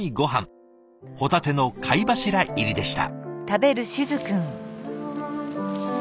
ホタテの貝柱入りでした。